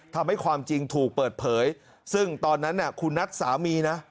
ความจริงถูกเปิดเผยซึ่งตอนนั้นคุณนัทสามีนะ